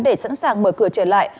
để sẵn sàng mở cửa trở lại